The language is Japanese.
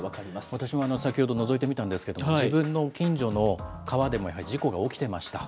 私も先ほどのぞいてみたんですけれども、自分の近所の川でもやはり事故が起きてました。